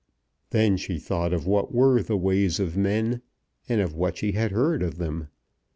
Then she thought of what were the ways of men, and of what she had heard of them.